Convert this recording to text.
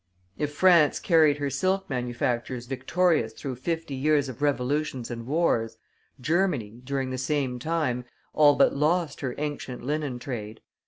If France carried her silk manufactures victorious through fifty years of revolutions and wars, Germany, during the same time, all but lost her ancient linen trade.